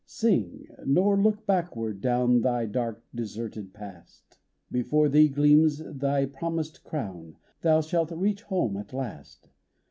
Sing ! nor look backward, down Thy dark, deserted Past ! Before thee gleams thy promised crown ; Thou shalt reach home at last.